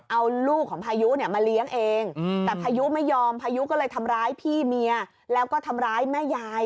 เอาลูกของพายุเนี่ยมาเลี้ยงเองแต่พายุไม่ยอมพายุก็เลยทำร้ายพี่เมียแล้วก็ทำร้ายแม่ยาย